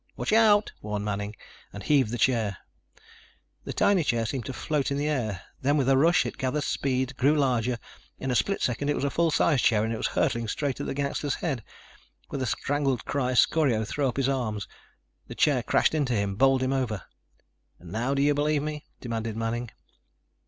"Watch out!" warned Manning, and heaved the chair. The tiny chair seemed to float in the air. Then with a rush it gathered speed, grew larger. In a split second it was a full sized chair and it was hurtling straight at the gangster's head. With a strangled cry Scorio threw up his arms. The chair crashed into him, bowled him over. "Now do you believe me?" demanded Manning.